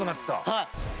はい。